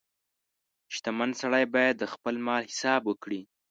• شتمن سړی باید د خپل مال حساب وکړي.